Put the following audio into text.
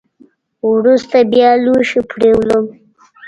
وروسته بیا لوښي پرېولم .